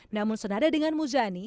namun senada dengan muzani